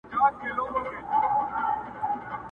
هر غزل ته مي راتللې په هر توري مي ستایلې!!